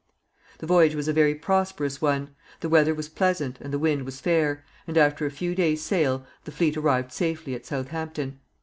The voyage was a very prosperous one. The weather was pleasant and the wind was fair, and after a few days' sail the fleet arrived safely at Southampton.